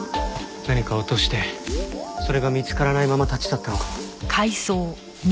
何かを落としてそれが見つからないまま立ち去ったのかも。